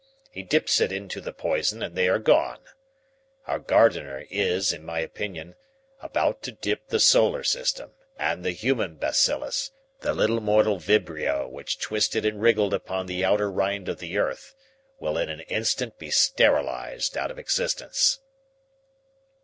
He dips it into the poison and they are gone. Our Gardener is, in my opinion, about to dip the solar system, and the human bacillus, the little mortal vibrio which twisted and wriggled upon the outer rind of the earth, will in an instant be sterilized out of existence."